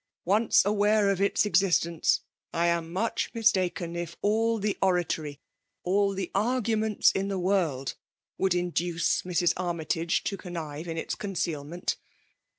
" Once aware of its existence, I am much mistaken if all the oratory, all the arguments in the worlds would induce Mrs. Armytage to connive in n2 268 FCMAUi DOMlNATIOHr. its iconcealrndBt.